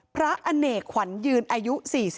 อเนกขวัญยืนอายุ๔๒